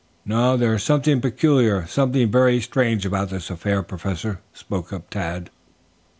"No; there is something peculiar, something very strange about this affair, Professor," spoke up Tad.